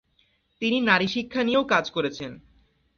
তিনি নারীশিক্ষা নিয়েও কাজ করেছেন।